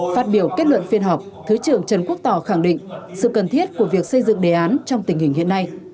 phát biểu kết luận phiên họp thứ trưởng trần quốc tỏ khẳng định sự cần thiết của việc xây dựng đề án trong tình hình hiện nay